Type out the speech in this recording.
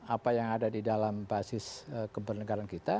apa yang ada di dalam basis kebernegaraan kita